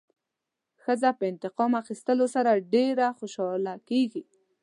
ښځه په انتقام اخیستلو سره ډېره خوشحاله کېږي.